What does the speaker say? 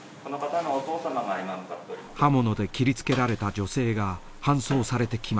刃物で切りつけられた女性が搬送されてきました。